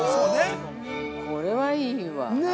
◆これはいいわ。